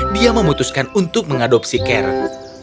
dia memutuskan untuk mengadopsi karen